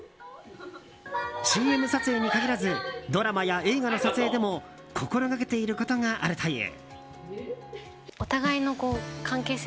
ＣＭ撮影に限らずドラマや映画の撮影でも心がけていることがあるという。